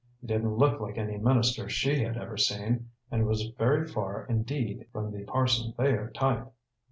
He didn't look like any minister she had ever seen, and was very far indeed from the Parson Thayer type.